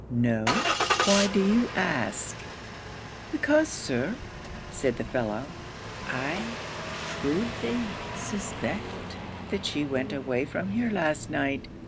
'No why do you ask?' 'Because, Sir,' said the fellow, 'I shrewdly suspect that she went away from here last night.